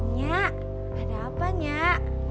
nyak ada apa nyak